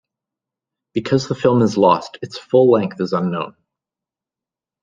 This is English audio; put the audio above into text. Because the film is lost, its full length is unknown.